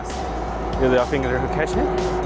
sekarang saya akan mengaturnya